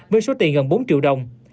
với số tiền gần bốn triệu đồng